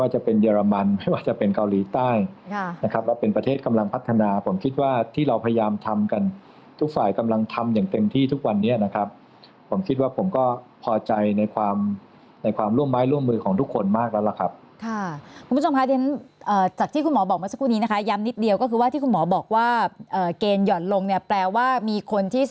จะเป็นเยอรมันไม่ว่าจะเป็นเกาหลีใต้นะครับแล้วเป็นประเทศกำลังพัฒนาผมคิดว่าที่เราพยายามทำกันทุกฝ่ายกำลังทำอย่างเต็มที่ทุกวันนี้นะครับผมคิดว่าผมก็พอใจในความในความร่วมไม้ร่วมมือของทุกคนมากแล้วล่ะครับค่ะคุณผู้ชมค่ะจากที่คุณหมอบอกเมื่อสักครู่นี้นะคะย้ำนิดเดียวก็คือว่าที่คุณหมอบอกว่าเกณฑ์หย่อนลงเนี่ยแปลว่ามีคนที่ส